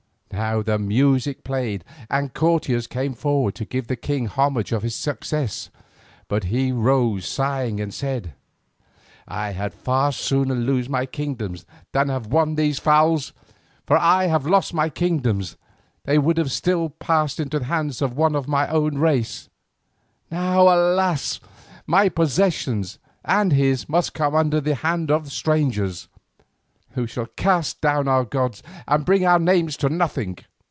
Now the music played, and courtiers came forward to give the king homage on his success. But he rose sighing, and said: "I had far sooner lose my kingdoms than have won these fowls, for if I had lost my kingdoms they would still have passed into the hands of one of my own race. Now alas! my possessions and his must come under the hand of strangers, who shall cast down our gods and bring our names to nothing."